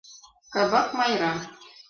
Кабак Майра.